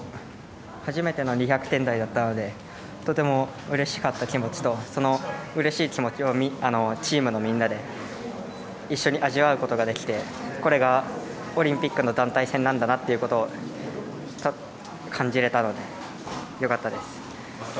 初めての２００点台だったのでとてもうれしい気持ちとそのうれしい気持ちをチームのみんなで一緒に味わうことができてこれがオリンピックの団体戦なんだということを感じられたのでよかったです。